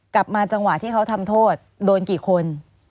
จังหวะที่เขาทำโทษโดนกี่คน